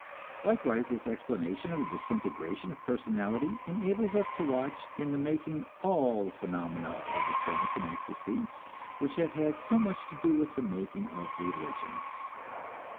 Likewise this exploration of the disintegration of personality enables us to watch in the making all the phenomena of trance and ecstasy which have had so much to do with the making of religions.